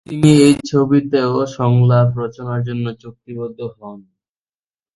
তিনি এই ছবিতেও সংলাপ রচনার জন্য চুক্তিবদ্ধ হন।